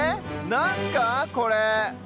なんすかこれ？